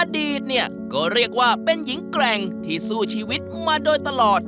อดีตเนี่ยก็เรียกว่าเป็นหญิงแกร่งที่สู้ชีวิตมาโดยตลอด